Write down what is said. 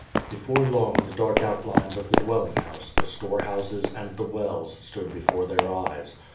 Before long, the dark outlines of the dwelling house, the storehouses, and the wells, stood before their eyes.